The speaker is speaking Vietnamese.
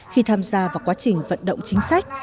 khi tham gia vào quá trình vận động chính sách